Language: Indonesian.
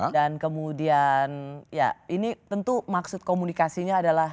dan kemudian ya ini tentu maksud komunikasinya adalah